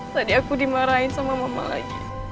tadi aku dimarahin sama mama lagi